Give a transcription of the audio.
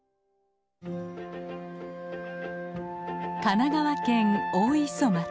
神奈川県大磯町。